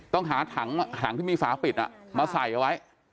ต้องหาถังที่มีฝาปิดมาใส่เอาไว้